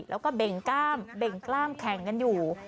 แล้วก็เบ่งกล้ามเบ่งกล้ามแข่งกันอยู่